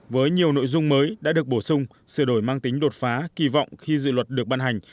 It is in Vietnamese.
với nhiều nội dung mới đã được bổ sung sửa đổi mang tính đột phá kỳ vọng khi dự luật được ban hành